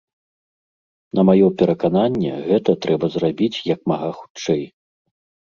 На маё перакананне гэта трэба зрабіць як мага хутчэй.